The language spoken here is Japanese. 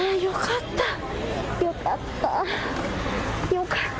よかった。